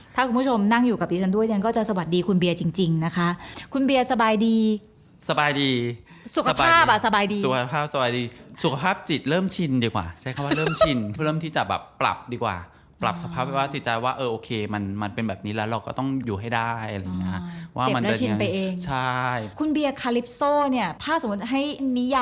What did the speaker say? ถ้าคุณผู้ชมนั่งอยู่กับดิฉันด้วยเรียนก็จะสวัสดีคุณเบียร์จริงจริงนะคะคุณเบียร์สบายดีสบายดีสุขภาพอ่ะสบายดีสุขภาพสบายดีสุขภาพจิตเริ่มชินดีกว่าใช้คำว่าเริ่มชินเพื่อเริ่มที่จะแบบปรับดีกว่าปรับสภาพวิวจิตใจว่าเออโอเคมันมันเป็นแบบนี้แล้วเราก็ต้องอยู่ให้ได้อะไรอย่างเงี้ยคุณเบียคาลิปโซเนี่ย